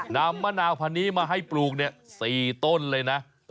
มะนาวพันนี้มาให้ปลูก๔ต้นเลยนะ